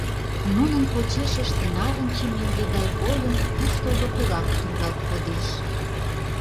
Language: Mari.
Нунын почешышт нарынче меҥге гай койын, куштылго пурак тӱргалт кодеш;